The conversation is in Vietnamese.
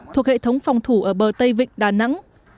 thuộc hệ thống phòng thủ ở bờ tây vịnh đà nẵng